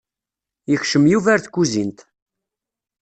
Yekcem Yuba ar tkuzint.